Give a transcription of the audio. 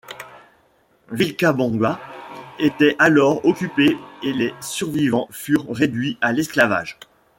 Vilcabamba était alors occupée et les survivants furent réduits à l’esclavage.